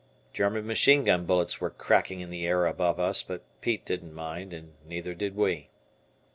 German machine gun bullets were "cracking" in the air above us, but Pete didn't mind, and neither did we.